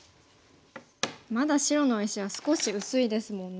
まだ白の石は少し薄いですもんね。